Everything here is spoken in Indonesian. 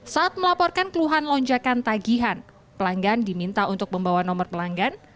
saat melaporkan keluhan lonjakan tagihan pelanggan diminta untuk membawa nomor pelanggan